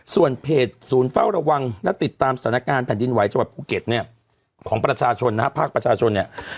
ส่วนเพจสูญเฝ้าระวังและติดตามสถานการณ์แผ่นดินไหวจังหวัดภูเก็ตของภาคประชาชน